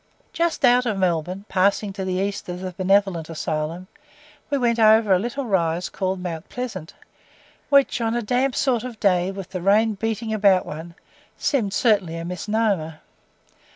Just out of Melbourne, passing to the east of the Benevolent Asylum, we went over a little rise called Mount Pleasant, which, on a damp sort of a day, with the rain beating around one, seemed certainly a misnomer.